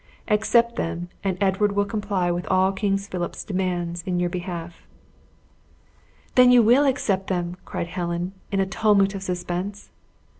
Accept them, and Edward will comply with all King Philip's demands in your behalf." "Then you will accept them!" cried Helen, in a tumult of suspense.